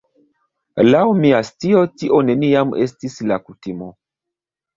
Laŭ mia scio tio neniam estis la kutimo.